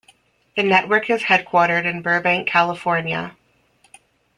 The network is headquartered in Burbank, California.